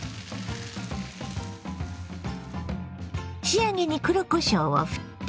仕上げに黒こしょうをふって。